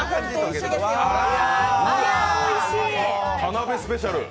田辺スペシャル。